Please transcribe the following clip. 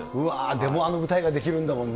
でもあの舞台ができるんだもんね。